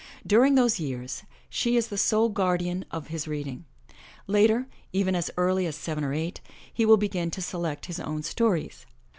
During those years she is the sole guardian of his reading. Later, even as early as seven or eight, he will begin to select his own stories.